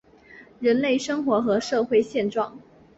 人类生活和社会状况